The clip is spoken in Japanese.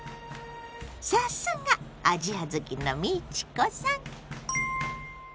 さすがアジア好きの美智子さん！